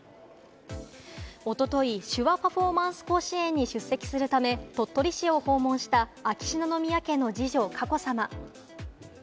おととい、手話パフォーマンス甲子園に出席するため、鳥取市を訪問した秋篠宮家の二女・佳子さま。